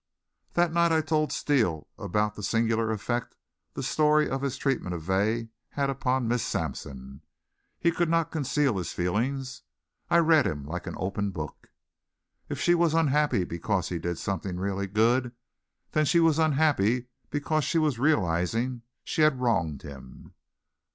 That night I told Steele about the singular effect the story of his treatment of Vey had upon Miss Sampson. He could not conceal his feelings. I read him like an open book. If she was unhappy because he did something really good, then she was unhappy because she was realizing she had wronged him.